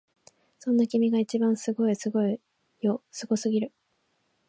そんな君が一番すごいすごいよすごすぎる！